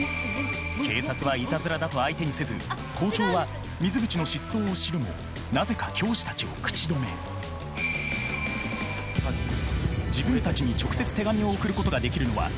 警察はイタズラだと相手にせず校長は水口の失踪を知るもなぜか教師たちを口止め自分たちに直接手紙を送ることができるのは教師だけ。